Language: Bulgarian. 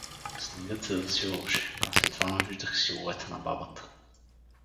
Снегът се засилваше, аз едвам виждах силуета на бабата.